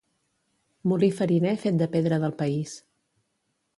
Molí fariner fet de pedra del país.